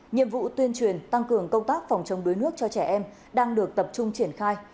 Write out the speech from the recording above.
nhiệm vụ tuyên truyền tăng cường công tác phòng chống đuối nước cho trẻ em đang được tập trung triển khai